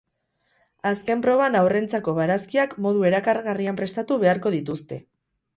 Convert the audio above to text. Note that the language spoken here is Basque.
Azken proban haurrentzako barazkiak modu erakargarrian prestatu beharko dituzte.